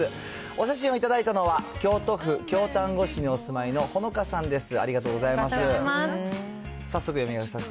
お写真を頂いたのは、京都府京丹後市にお住まいのほのかさんです。